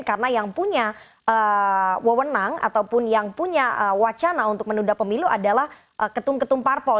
karena yang punya wewenang ataupun yang punya wacana untuk menunda pemilu adalah ketum ketum parpol